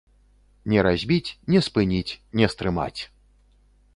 Не разбіць, не спыніць, не стрымаць!